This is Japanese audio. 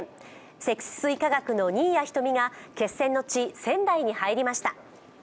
積水化学の新谷仁美が決戦の地・仙台に入りました。